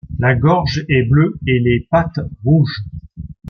La gorge est bleue et les pattes rouges.